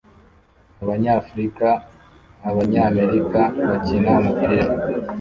abanyafrika abanyamerika bakina umupira